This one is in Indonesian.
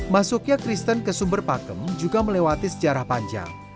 masuknya kristen ke sumber pakem juga melewati sejarah panjang